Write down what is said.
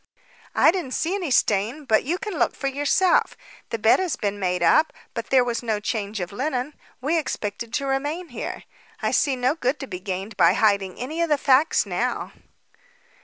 "I didn't see any stain, but you can look for yourself. The bed has been made up, but there was no change of linen. We expected to remain here; I see no good to be gained by hiding any of the facts now."